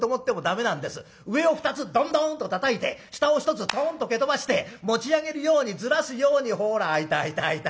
上を２つドンドンとたたいて下を１つトンと蹴飛ばして持ち上げるようにずらすようにほら開いた開いた開いた開いた。